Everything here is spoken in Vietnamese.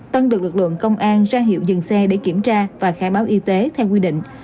tân được lực lượng công an ra hiệu dừng xe để kiểm tra và khai báo y tế theo quy định